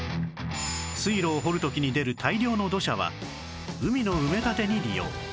水路を掘る時に出る大量の土砂は海の埋め立てに利用